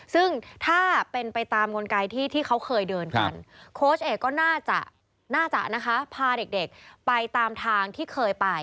ซึ่งถ้าเป็นไปตามกลไกที่เขาเคยเดินกันโค้ชเอกก็น่าจะน่าจะนะคะพาเด็กไปตามทางที่เคยไป